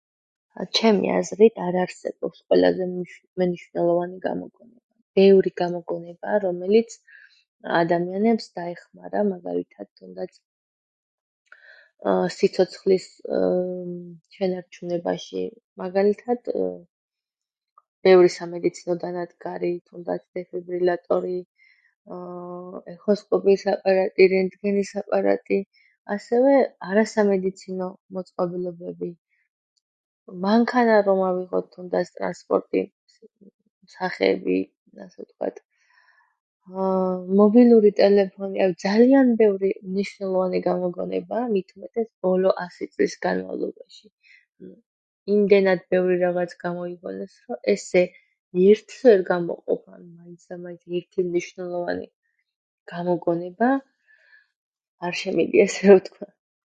ჩემი აზრით არ არსებობს ყველაზე მნიშვნელოვანი გამოგონება, ბევრი გამოგონებაა, რომელიც ადამიანებს დაეხმარა მაგალითად თუნდაც სიცოცხლის შენარჩუნებაში. მაგალითად, ბევრი სამედიცინო დანადგარი, თუნდაც დეფიბლირატორი, ეხოსკოპიის აპარატი, რედგენის აპარატი, ასევე არასამედიცინო მოწყობილებები. მანქანა რომ ავიღოთ თუნდაც ტრანსპორტის სახეები ასე ვთქვათ, მობილური ტელეფონი, ძალიან ბევრი მნიშვნელოვანი გამოგონებაა, მითუმეტეს ბოლო 100 წლის განმავლობაში იმდენად ბევრი რაღაც გამოიგონეს, ესე ერთს ვერ გამოყოფ მაინცდამაინც ერთი მნიშვნელოვანი გამოგონება არ შემიძლია ესე რომ ვთქვა.